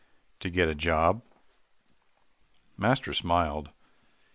"To get a job." Master smiled.